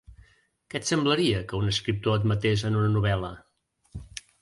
Què et semblaria que un escriptor et matés en una novel·la?